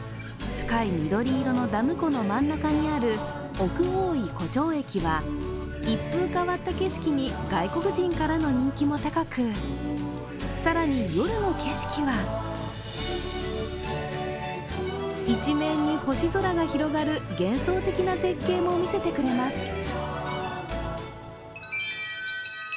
深い緑色のダム湖の真ん中にある奥大井湖上駅は一風変わった景色に外国人からの人気も高く、更に夜の景色は一面に星空が広がる幻想的な絶景も見せてくれます。